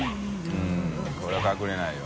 Δこれは隠れないよ。